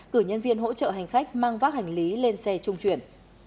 cử nhân viên hỗ trợ hành khách mang vác hành lý lên xe trung chuyển